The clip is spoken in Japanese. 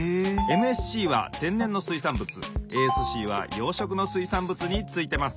・ＭＳＣは天然の水産物ＡＳＣは養殖の水産物についてます。